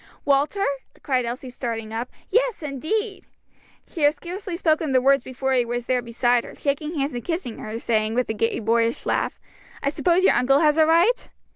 "Walter?" cried Elsie, starting up. "Yes, indeed!" She had scarcely spoken the words before he was there beside her, shaking hands, and kissing her, saying with a gay boyish laugh, "I suppose your uncle has a right?"